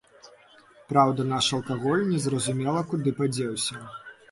Праўда, наш алкаголь незразумела куды падзеўся.